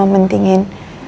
aku cuma mentingin